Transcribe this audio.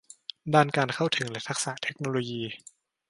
ด้านการเข้าถึงและทักษะเทคโนโลยี